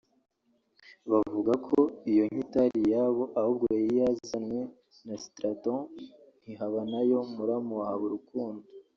Bavuga ko iyo nka itari iyabo ahubwo ko yari yazanywe na Sitraton Ntihanabayo muramu wa Habarukundo